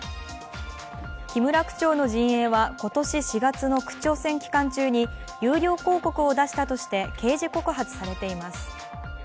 木村区長の陣営は今年４月の区長選期間中に有料広告を出したとして刑事告発されています